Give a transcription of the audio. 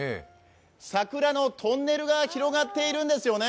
桜のトンネルが広がっているんですよね。